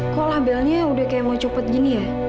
kok labelnya udah kayak mau copot gini